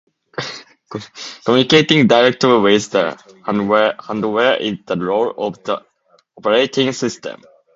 Communicating directly with the hardware is the role of the operating system.